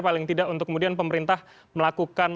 paling tidak untuk kemudian pemerintah melakukan